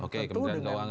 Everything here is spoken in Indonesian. oke kementerian keuangan